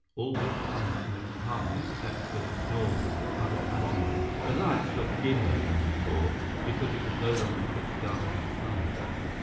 All was silent in the compartment except for the snores of other passengers. The lights looked dimmer than before, because it was no longer pitch dark outside.